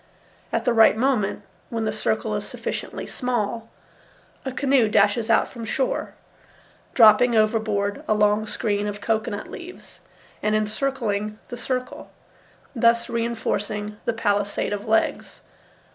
At the right moment when the circle is sufficiently small, a canoe dashes out from shore, dropping overboard a long screen of cocoanut leaves and encircling the circle, thus reinforcing the palisade of legs.